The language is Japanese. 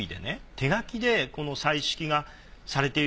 手描きでこの彩色がされている。